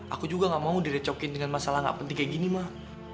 aku juga gak mau direcokin dengan masalah gak penting kayak gini mah